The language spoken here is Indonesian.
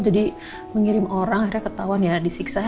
jadi mengirim orang akhirnya ketahuan ya disiksa